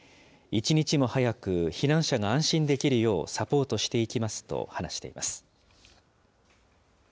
一日も早く避難者が安心できるようサポートしていきますと話しています。